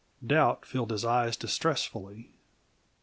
Doubt filled his eyes distressfully.